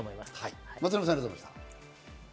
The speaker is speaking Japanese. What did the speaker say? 松並さん、ありがとうございました。